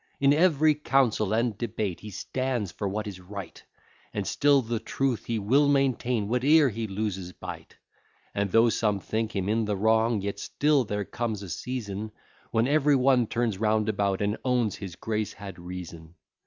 In ev'ry council and debate he stands for what is right, And still the truth he will maintain, whate'er he loses by't. And though some think him in the wrong, yet still there comes a season When every one turns round about, and owns his grace had reason.